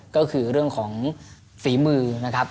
ก็คือเรื่องของฝีมือนะครับ